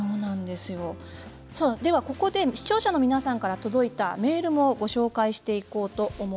ここで視聴者の皆さんから届いたメールをご紹介します。